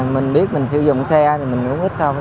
mình biết mình sử dụng xe thì mình cũng ít không